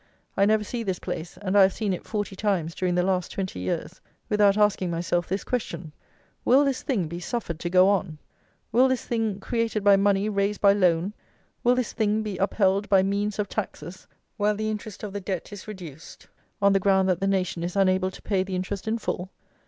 I never see this place (and I have seen it forty times during the last twenty years) without asking myself this question: Will this thing be suffered to go on; will this thing, created by money raised by loan; will this thing be upheld by means of taxes, while the interest of the Debt is reduced, on the ground that the nation is unable to pay the interest in full?